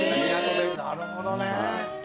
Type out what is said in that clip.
なるほどね。